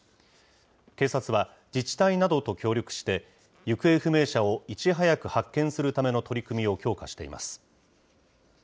警察は、自治体などと協力して、行方不明者をいち早く発見するための取り組みを強化しています。